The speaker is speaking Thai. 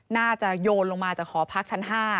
โยนลงมาจากหอพักชั้น๕